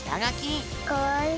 かわいい。